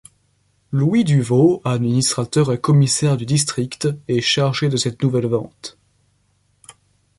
Louis Duvau, administrateur et commissaire du district, est chargé de cette nouvelle vente.